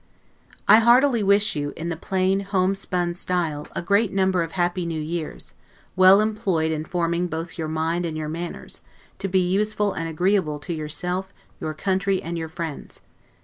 I heartily wish you, in the plain, home spun style, a great number of happy new years, well employed in forming both your mind and your manners, to be useful and agreeable to yourself, your country, and your friends!